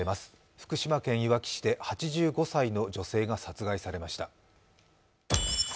福島県いわき市で８５歳の女性が殺害されました。